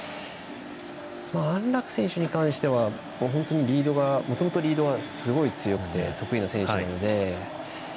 安楽選手に関してはもともとリードはすごい強くて得意な選手なので。